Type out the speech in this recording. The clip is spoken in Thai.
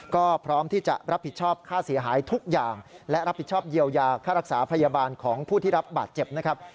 ก็พร้อมที่จะรับผิดชอบค่าเสียหายทุกอย่างและรับผิดชอบเยียวยาค่ารักษาพยาบาลของผู้ที่รับบาดเจ็บนะครับ